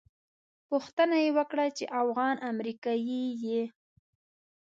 پوښتنه یې وکړه چې افغان امریکایي یې.